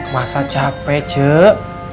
masa capek jok